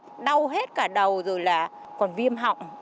thôi hết cả đầu rồi là còn viêm họng